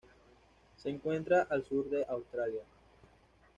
Se encuentra al sur de Australia.